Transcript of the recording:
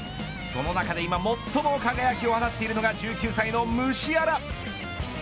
その中で最も輝きを放っているのが１９歳のムシアラ。